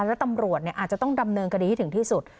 แล้วตำรวจเนี้ยอาจจะต้องดำเนินกดีที่ถึงที่สุด